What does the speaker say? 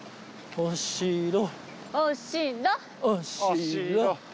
おっしろ！